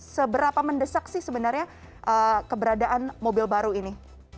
seberapa mendesak sih sebenarnya keberadaan mobil baru ini